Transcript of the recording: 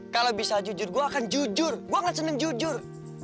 kalau bisa jujur gue akan jujur gue akan seneng jujur